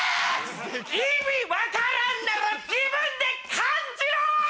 意味分からんなら自分で感じろ！